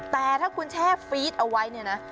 แต่ถ้าคุณแช่ฟีดเอาไว้เนี่ยนะ